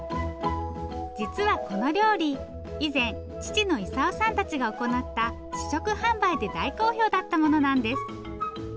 実はこの料理以前父の功さんたちが行った試食販売で大好評だったものなんです。